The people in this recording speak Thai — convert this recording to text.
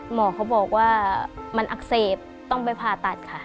หมอเขาบอกว่ามันอักเสบต้องไปผ่าตัดค่ะ